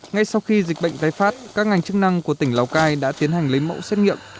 ngay sau khi dịch bệnh tái phát các ngành chức năng của tỉnh lào cai đã tiến hành lấy mẫu xét nghiệm